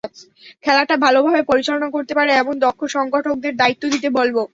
খেলাটা ভালোভাবে পরিচালনা করতে পারে এমন দক্ষ সংগঠকদের দায়িত্ব দিতে বলব।